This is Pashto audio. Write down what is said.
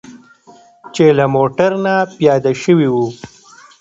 چې له موټر نه پیاده شوي وو.